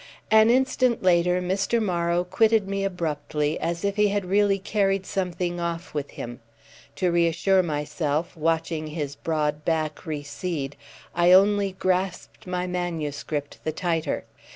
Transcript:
An instant later Mr. Morrow quitted me abruptly, as if he had really carried something off with him. To reassure myself, watching his broad back recede, I only grasped my manuscript the tighter.